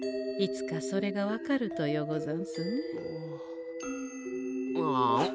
いつかそれがわかるとよござんすね。